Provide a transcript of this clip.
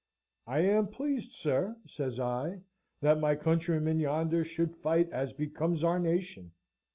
"I am pleased, sir," says I, "that my countrymen, yonder, should fight as becomes our nation."